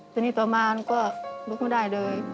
ทีนี้ต่อมาหนูก็ลุกไม่ได้เลย